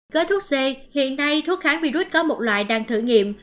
gói thuốc c hiện nay thuốc kháng virus có một loại đang thử nghiệm